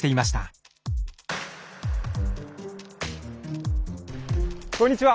あこんにちは。